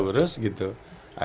gitu kan gitu kan